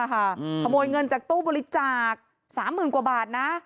ขโมยเงินจากตู้บริจาค๓๐๐๐กว่าบาทนะ